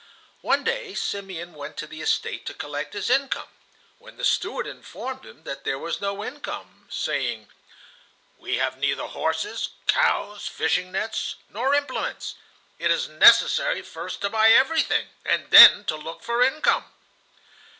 One day Simeon went to the estate to collect his income, when the steward informed him that there was no income, saying: "We have neither horses, cows, fishing nets, nor implements; it is necessary first to buy everything, and then to look for income."